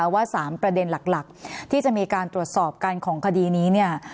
ว่า๓ประเด็นหลักที่จะมีการตรวจสอบกันของคดีนี้เนี่ย